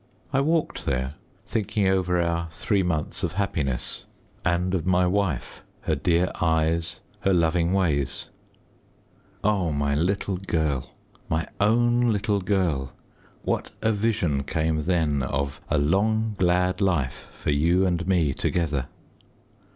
I walked there thinking over our three months of happiness and of my wife, her dear eyes, her loving ways. Oh, my little girl! my own little girl; what a vision came then of a long, glad life for you and me together!